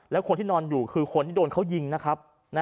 แล้วคนที่นอนอยู่คือคนที่โดนเขายิงนะครับ